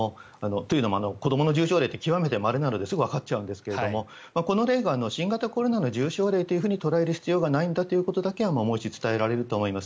というのも子どもの重症例は極めてまれなのですぐわかっちゃうんですがこの例は新型コロナの重症例と捉える必要がないんだということは申し伝えられると思います。